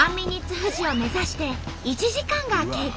富士を目指して１時間が経過。